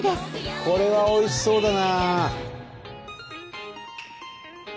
これはおいしそうだな！